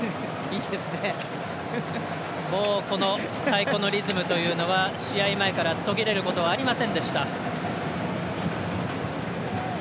太鼓のリズムというのは試合前から途切れることはありませんでした。